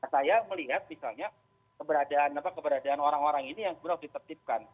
saya melihat misalnya keberadaan orang orang ini yang harus ditertibkan